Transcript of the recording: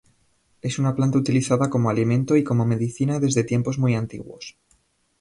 Es una planta utilizada como alimento y como medicina desde tiempos muy antiguos.